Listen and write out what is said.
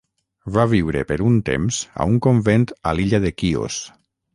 Va viure per un temps a un convent a l'illa de Quios.